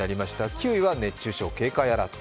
９位は熱中症警戒アラート。